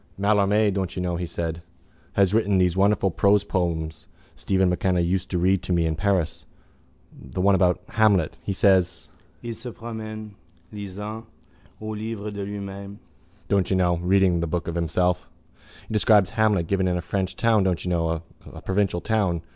—Mallarmé, don't you know, he said, has written those wonderful prose poems Stephen MacKenna used to read to me in Paris. The one about Hamlet. He says: il se promène, lisant au livre de lui même, don't you know, reading the book of himself. He describes Hamlet given in a French town, don't you know, a provincial town.